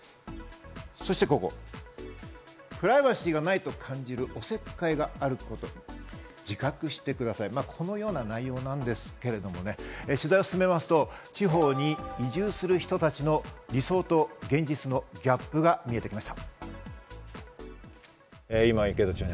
そしてここ、「プライバシーがないと感じるおせっかいがあること」「自覚してください。」、このような内容なんですけれども、取材を進めますと、地方に移住する人たちの理想と現実のギャップが見えてきました。